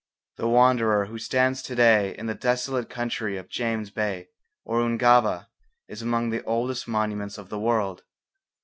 The wanderer who stands to day in the desolate country of James Bay or Ungava is among the oldest monuments of the world.